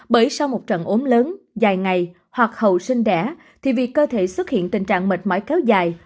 bởi sau một trận ốm lớn dài ngày hoặc hầu sinh đẻ thì việc cơ thể xuất hiện tình trạng mệt mỏi kéo dài